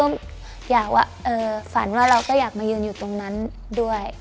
ก็อยากว่าฝันว่าเราก็อยากมายืนอยู่ตรงนั้นด้วย